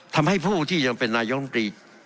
ทำให้ผู้ที่ยังเป็นนายกรรมตรี